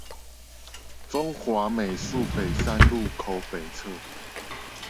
中華美術北三路口北側